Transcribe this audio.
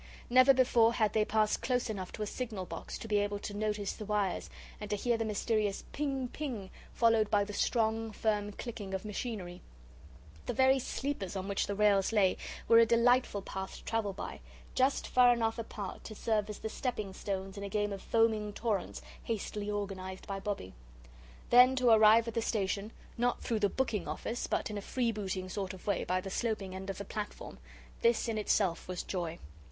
Never before had they passed close enough to a signal box to be able to notice the wires, and to hear the mysterious 'ping, ping,' followed by the strong, firm clicking of machinery. The very sleepers on which the rails lay were a delightful path to travel by just far enough apart to serve as the stepping stones in a game of foaming torrents hastily organised by Bobbie. Then to arrive at the station, not through the booking office, but in a freebooting sort of way by the sloping end of the platform. This in itself was joy.